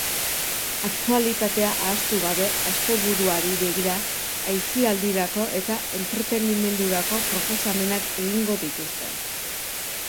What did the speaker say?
Aktualitatea ahaztu gabe, asteburuari begira aisialdirako eta entretenimendurako proposamenak egingo dituzte.